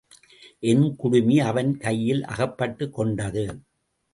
என் குடுமி அவன் கையில் அகப்பட்டுக் கொண்டது.